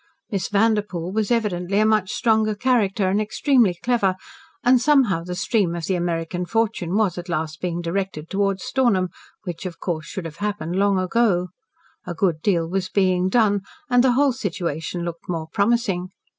Miss Vanderpoel was evidently a much stronger character, and extremely clever, and somehow the stream of the American fortune was at last being directed towards Stornham which, of course, should have happened long ago. A good deal was "being done," and the whole situation looked more promising.